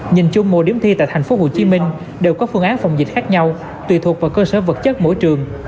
nhìn chung mỗi điểm thi tại tp hcm đều có phương án phòng dịch khác nhau tùy thuộc vào cơ sở vật chất mỗi trường